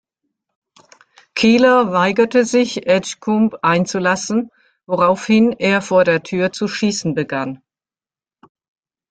Keeler weigerte sich, Edgecombe einzulassen, woraufhin er vor der Tür zu schießen begann.